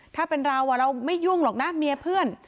ถ้าเป็นเราเราไม่ยุ่งหรอกนะเมียเพื่อน